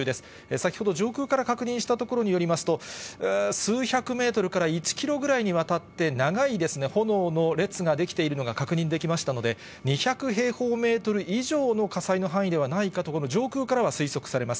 先ほど、上空から確認したところによりますと、数百メートルから１キロぐらいにわたって、長い炎の列が出来ているのが確認できましたので、２００平方メートル以上の火災の範囲ではないかと、上空からは推測できます。